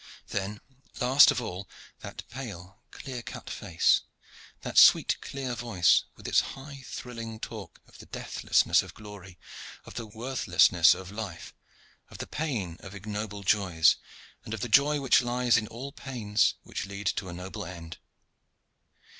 Then, last of all, that pale clear cut face, that sweet clear voice, with its high thrilling talk of the deathlessness of glory, of the worthlessness of life, of the pain of ignoble joys, and of the joy which lies in all pains which lead to a noble end.